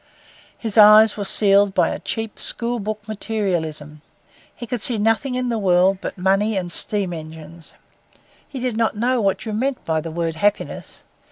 His eyes were sealed by a cheap, school book materialism. He could see nothing in the world but money and steam engines. He did not know what you meant by the word happiness.